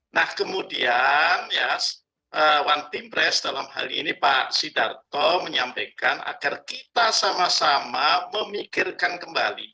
nah kemudian ya one team press dalam hal ini pak sidarto menyampaikan agar kita sama sama memikirkan kembali